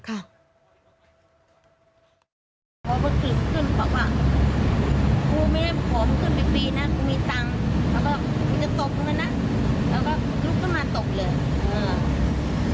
แล้วก็รู้ว่าเดี๋ยวผมมีนิดนะดูเรียงแพงเลยนะ